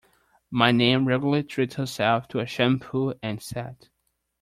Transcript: My nan regularly treats herself to a shampoo and set.